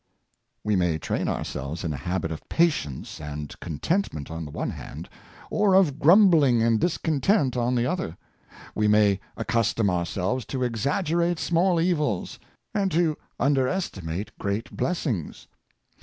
We may train ourselves in a habit of patience and contentment on the one hand, or of grumbling and dis content on the other. We may accustom ourselves to exaggerate small evils, and to underestimate great blessings.